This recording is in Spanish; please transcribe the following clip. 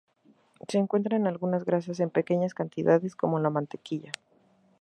Se encuentra en algunas grasas en pequeñas cantidades, como la mantequilla.